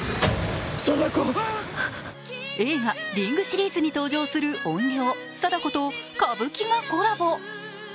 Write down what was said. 映画「リング」シリーズに登場する怨霊・貞子と歌舞伎がコラボ。